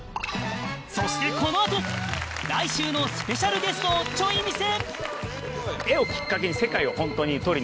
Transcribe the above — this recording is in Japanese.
そしてこのあと来週のスペシャルゲストをちょい見せ